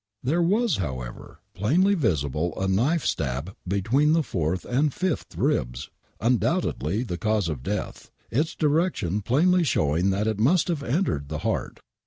Thert was, however, plainly visible a knife stab between the fourth and fifth ribs ! Undoubt edly the cause of death, its direction plainly showing that it must have entered the heart.